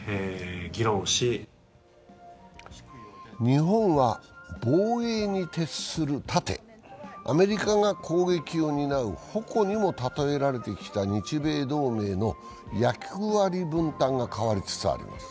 日本は防衛に徹する盾、アメリカが攻撃を担う矛にも例えられてきた日米同盟の役割分担が変わりつつあります。